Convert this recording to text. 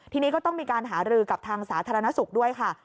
ทีนี้ก็ต้องมีการหารือกับทางสาธารณสุขด้วยค่ะ